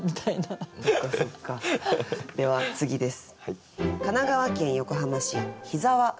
では次です。